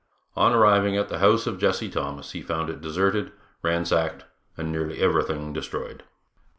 On arriving at the house of Jesse Thomas he found it deserted, ransacked and nearly everything destroyed.